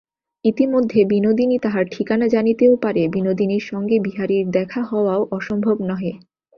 ইতিমধ্যে বিনোদিনী তাহার ঠিকানা জানিতেও পারে, বিনোদিনীর সঙ্গে বিহারীর দেখা হওয়াও অসম্ভব নহে।